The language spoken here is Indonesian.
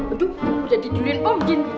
aduh udah didurin om jin